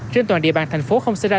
trên toàn địa bàn thành phố không xảy ra